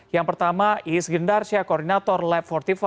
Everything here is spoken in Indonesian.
yang pertama iis gendarsya koordinator lab empat puluh lima